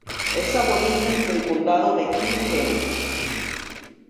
Es aborigen del Condado Kilkenny.